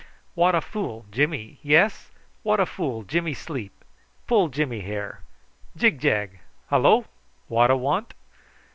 "What a fool, Jimmy, yes! What a fool Jimmy sleep. Pull Jimmy hair, jig jag. Hallo! What a want?"